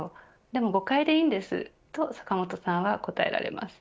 でも、誤解でいいんですと坂本さんは答えられます。